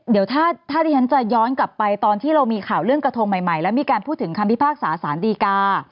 เดี๋ยวถ้าที่ฉันจะย้อนกลับไปตอนที่เรามีข่าวเรื่องกระทงใหม่แล้วมีการพูดถึงคำพิพากษาสารดีกา